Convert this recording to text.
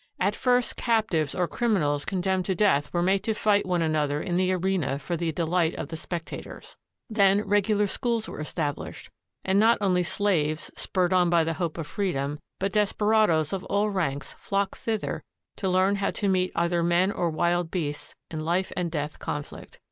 At first cap tives or criminals condemned to death were made to fight one another in the arena for the delight of the spectators. Then regular schools were established, and not only slaves, spurred on by the hope of freedom, but desperadoes of all ranks flocked thither to learn how to meet either men or wild beasts in life and death conflict.